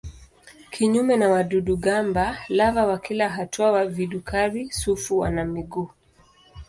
Kinyume na wadudu-gamba lava wa kila hatua wa vidukari-sufu wana miguu.